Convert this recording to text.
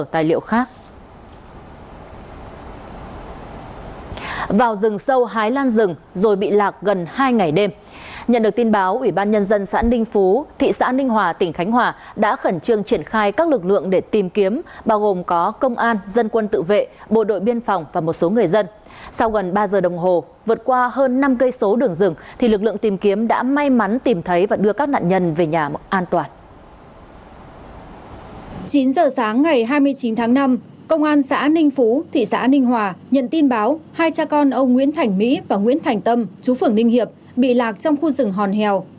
từ sáng ngày hai mươi chín tháng năm công an xã ninh phú thị xã ninh hòa nhận tin báo hai cha con ông nguyễn thành mỹ và nguyễn thành tâm chú phưởng ninh hiệp bị lạc trong khu rừng hòn hèo